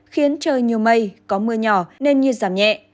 khiến trời nhiều mây có mưa nhỏ nên nhiệt giảm nhẹ